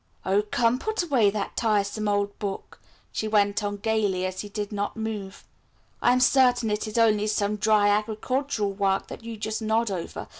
"Oh come, put away that tiresome old book," she went on gaily, as he did not move; "I am certain it is only some dry agricultural work that you just nod over.